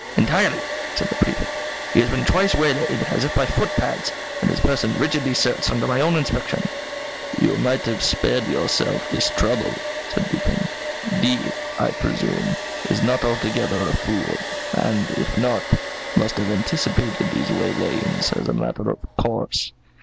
"Entirely," said the Prefect. "He has been twice waylaid, as if by footpads, and his person rigidly searched under my own inspection." "You might have spared yourself this trouble," said Dupin. "D , I presume, is not altogether a fool, and, if not, must have anticipated these waylayings, as a matter of course."